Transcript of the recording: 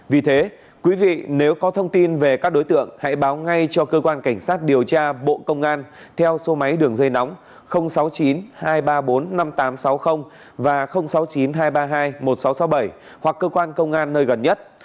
vì thế quý vị nếu có thông tin về các đối tượng hãy báo ngay cho cơ quan cảnh sát điều tra bộ công an theo số máy đường dây nóng sáu mươi chín hai trăm ba mươi bốn năm nghìn tám trăm sáu mươi và sáu mươi chín hai trăm ba mươi hai một nghìn sáu trăm sáu mươi bảy hoặc cơ quan công an nơi gần nhất